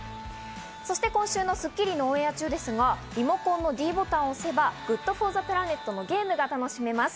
そして今週の『スッキリ』のオンエア中はリモコンのｄボタンを押せばＧｏｏｄＦｏｒｔｈｅＰｌａｎｅｔのゲームが楽しめます。